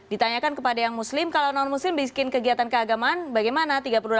ditanyakan kepada yang muslim kalau non muslim bikin kegiatan keagamaan bagaimana